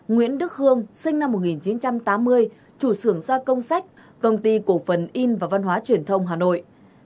nguyễn đức hương sinh năm một nghìn chín trăm tám mươi chủ sưởng gia công sách công ty cổ phần in và văn hóa truyền thông hà nội